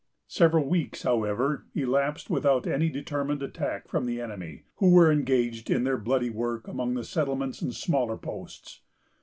Several weeks, however, elapsed without any determined attack from the enemy, who were engaged in their bloody work among the settlements and smaller posts.